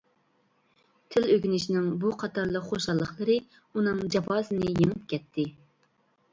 تىل ئۆگىنىشنىڭ بۇ قاتارلىق خۇشاللىقلىرى ئۇنىڭ جاپاسىنى يېڭىپ كەتتى.